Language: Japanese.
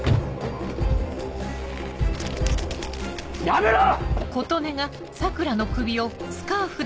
やめろ！